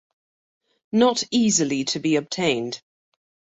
Not easily to be obtained.